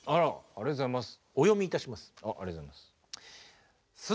ありがとうございます。